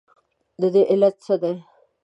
ددې علت څه دی؟